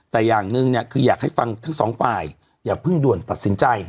แต่อย่างหนึ่งเนี่ยคืออยากให้ฟังทั้งสองฝ่ายอย่าเพิ่งด่วนตัดสินใจ